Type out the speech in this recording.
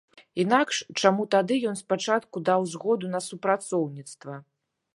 Інакш чаму тады ён спачатку даў згоду на супрацоўніцтва?